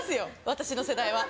私の世代は。